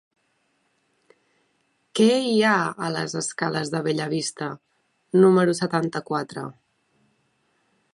Què hi ha a les escales de Bellavista número setanta-quatre?